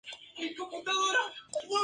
Entonces aparece Loco y mata a Otero.